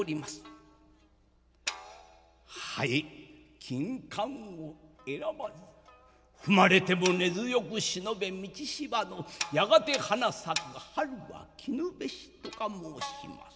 『ハエ金冠を選ばず踏まれても根強く忍べ路芝のやがて花咲く春は来ぬべし』とか申します」。